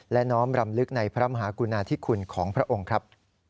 และน้อมรำลึกในพระมหากุณาธิคุณของพระองค์ครับ